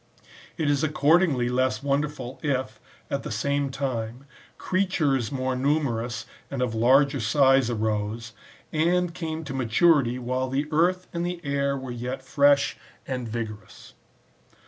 It is accordingly less wonderful, if, at that time, creatures more numerous and of larger size arose, and came to maturity while the earth and the air were yet fresh and vigorous.